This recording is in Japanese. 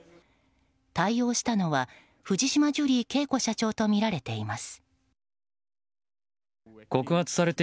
対応したのは藤島ジュリー景子社長とみられています。